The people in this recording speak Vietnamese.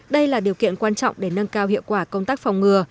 đây là điều kiện quan trọng để nâng cao hiệu quả công tác phòng ngừa